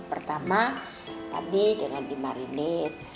pertama tadi dengan dimarinir